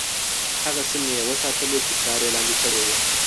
هغه سیمي یې وساتلې چې پلار یې لاندي کړې وې.